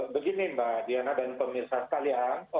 begini mbak diana dan pemirsa sekalian